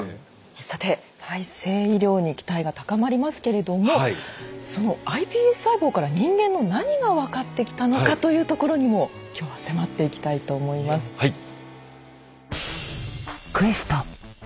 さて再生医療に期待が高まりますけれどもそのｉＰＳ細胞から人間の何が分かってきたのかというところにも今日は迫っていきたいと思います。